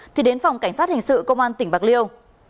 thì đến phòng cảnh sát hình sự công an tỉnh bạc liêu